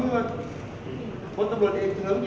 เราบอกไม่รู้จักกันเราอย่ามาประเด็นนี้เป็นประเด็นย่อย